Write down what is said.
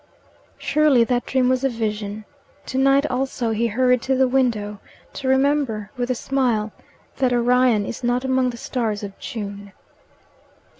Surely that dream was a vision! To night also he hurried to the window to remember, with a smile, that Orion is not among the stars of June.